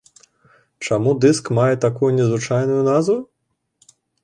Чаму дыск мае такую незвычайную назву?